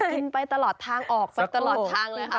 กินไปตลอดทางออกไปตลอดทางเลยค่ะ